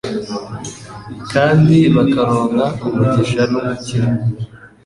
kandi bakaronka umugisha n’umukiro